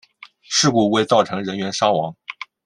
事故未造成人员伤亡。